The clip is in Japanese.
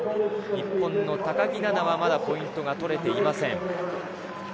日本の高木菜那はまだポイントが取れていません。